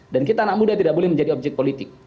dan kita anak muda tidak boleh menjadi objek politik